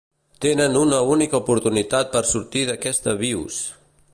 Tenen una única oportunitat per sortir d'aquesta vius!